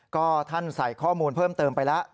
ก็ท่านใส่ข้อมูลเพิ่มเติมไปแล้ว